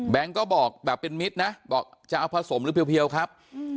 ก็บอกแบบเป็นมิตรนะบอกจะเอาผสมหรือเพียวครับ